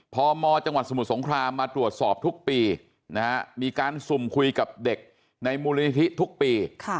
พมจังหวัดสมุทรสงครามมาตรวจสอบทุกปีมีการสุ่มคุยกับเด็กในมูลนิธิทุกปี